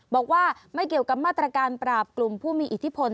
บอกว่าไม่เกี่ยวกับมาตรการปราบกลุ่มผู้มีอิทธิพล